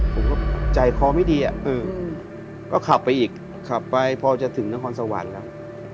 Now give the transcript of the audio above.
ผมก็ใจคอไม่ดีก็ขับไปอีกขับไปพอจะถึงนครสวรรค์แล้ว